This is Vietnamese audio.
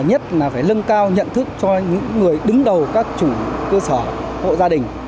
nhất là phải lân cao nhận thức cho những người đứng đầu các chủ cơ sở hộ gia đình